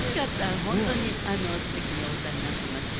すてきにお歌いになっていました。